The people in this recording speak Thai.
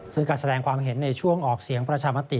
ซึ่งการแสดงความเห็นในช่วงออกเสียงประชามติ